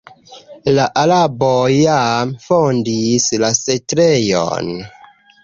La araboj jam fondis la setlejon.